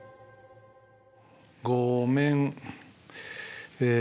「ごめん」え